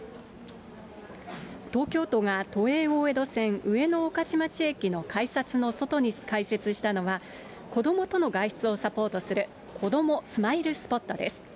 東京都が都営大江戸線上野御徒町駅の改札の外に開設したのは、子どもとの外出をサポートする、こどもスマイルスポットです。